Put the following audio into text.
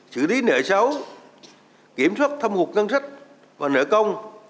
xử lý nợ xấu kiểm soát thâm hụt ngân sách và nợ công